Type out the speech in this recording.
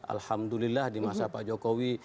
alhamdulillah di masa pak jokowi